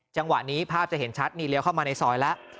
จังหวะนี้ภาพจะเห็นชัดนี่เลี้ยวเข้ามาในซอยแล้ว